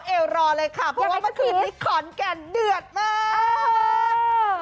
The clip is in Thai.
เอวรอเลยค่ะเพราะว่าเมื่อคืนนี้ขอนแก่นเดือดมาก